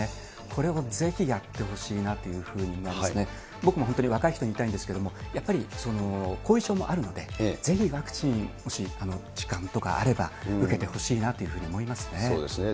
これを、ぜひやってほしいなというふうには、僕も本当に若い人に言いたいんですけれども、やっぱり後遺症もあるので、ぜひワクチン、もし時間とかあれば、受けてほしいなというふうに思いますね。